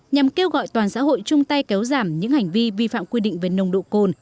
nhằm kêu gọi toàn xã hội chung tay kéo giảm những hành vi vi phạm quy định về nồng độ cồn